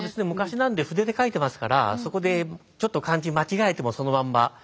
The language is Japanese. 昔なんで筆で書いていますからそこでちょっと漢字間違えてもそのまんま。